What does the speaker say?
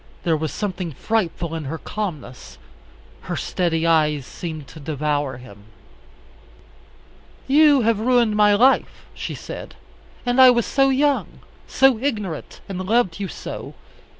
There was something frightful in her calmness. Her steady eyes seemed to devour him. "You have ruined my life," she said; "and I was so young, so ignorant, and loved you so.